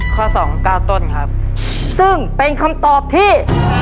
ข้อสองเก้าต้นครับซึ่งเป็นคำตอบที่